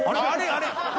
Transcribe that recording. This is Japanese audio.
あれ？